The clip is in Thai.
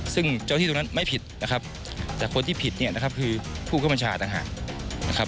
สิ่งที่ผิดเนี่ยนะครับคือผู้กับัญชาตางหารนะครับ